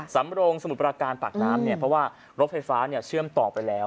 สำโรงสมุทรประการปากน้ำเนี่ยเพราะว่ารถไฟฟ้าเชื่อมต่อไปแล้ว